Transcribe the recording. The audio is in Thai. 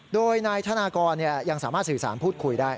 โดยนายธนากรยังสามารถสื่อสารพูดคุยได้